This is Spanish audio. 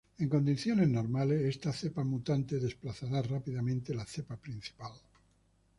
En condiciones normales, esta cepa mutante desplazará rápidamente la cepa principal.